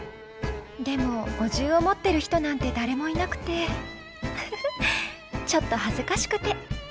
でもお重を持ってる人なんて誰もいなくてふふちょっと恥ずかしくて」。